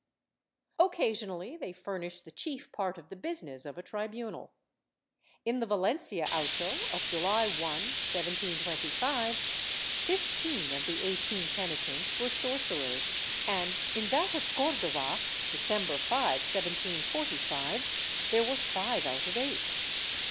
^ Occasionally they furnish the chief part of the business of a tribunal. In the Valencia auto of July 1, 1725, fifteen of the eighteen penitents were sorcerers and, in that of Cordova, December 5, 1745, there were five out of eight.